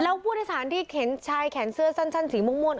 แล้วผู้โดยสารที่เห็นชายแขนเสื้อสั้นสีม่วง